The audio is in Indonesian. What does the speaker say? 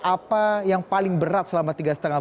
apa yang paling berat selama tiga setengah